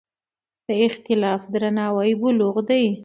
د اختلاف درناوی بلوغ دی